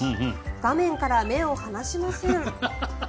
画面から目を離しません。